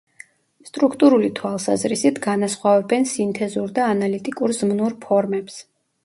სტრუქტურული თვალსაზრისით განასხვავებენ სინთეზურ და ანალიტიკურ ზმნურ ფორმებს.